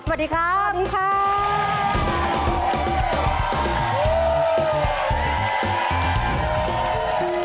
สวัสดีครับสวัสดีค่ะสวัสดีค่ะสวัสดีค่ะ